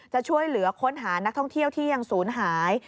จะช่วยเหลือค้นหานักท่องเที่ยวที่ยังศูนย์หาย